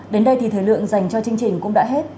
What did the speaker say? đến đây thì thời lượng dành cho chương trình cũng đã hết